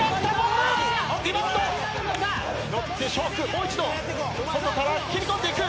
もう一度外から切り込んでいく。